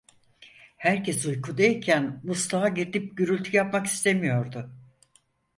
Herkes uykuda iken musluğa gidip gürültü yapmak istemiyordu.